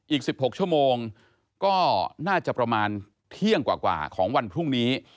อีก๑๖ชั่วโมงก็น่าจะประมาณเที่ยงกว่าของวันพรุ่งนี้